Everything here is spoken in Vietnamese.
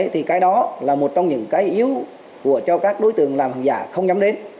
thì cái đó là một trong những yếu tố cho các đối tượng làm hàng giả không dám đến